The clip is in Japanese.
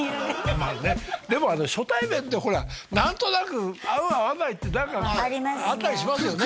まあねでも初対面でほら何となく合う合わないって何かあったりしますよね？